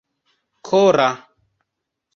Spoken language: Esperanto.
kora